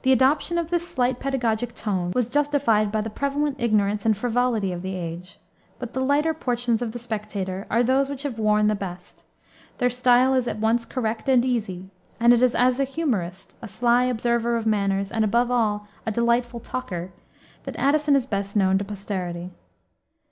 The adoption of this slightly pedagogic tone was justified by the prevalent ignorance and frivolity of the age. But the lighter portions of the Spectator are those which have worn the best. Their style is at once correct and easy, and it is as a humorist, a sly observer of manners, and above all, a delightful talker, that Addison is best known to posterity.